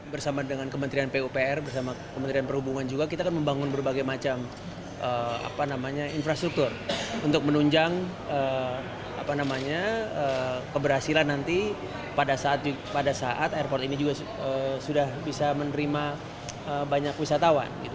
bersama dengan kementerian pupr bersama kementerian perhubungan juga kita akan membangun berbagai macam infrastruktur untuk menunjang keberhasilan nanti pada saat airport ini juga sudah bisa menerima banyak wisatawan